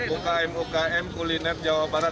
untuk menjadi ukm ukm kuliner jawa barat